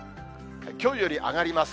きょうより上がります。